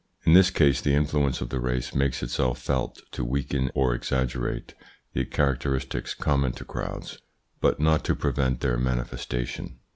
In this case the influence of the race makes itself felt to weaken or exaggerate the characteristics common to crowds, but not to prevent their manifestation.